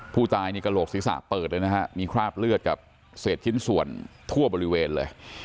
ผู้ตายนี่กระโหลกศีรษะเปิดเลยนะฮะมีคราบเลือดกับเศษชิ้นส่วนทั่วบริเวณเลย